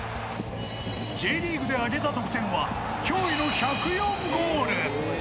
Ｊリーグで上げた得点は驚異の１０４ゴール。